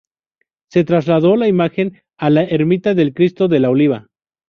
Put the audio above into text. Se trasladó la imagen a la ermita del Cristo de la Oliva.